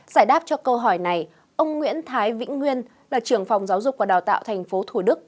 giải đáp cho câu hỏi này ông nguyễn thái vĩnh nguyên trưởng phòng giáo dục và đào tạo thành phố thủ đức